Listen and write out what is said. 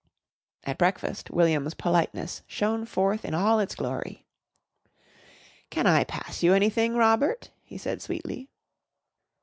At breakfast William's politeness shone forth in all its glory. "Can I pass you anything, Robert?" he said sweetly.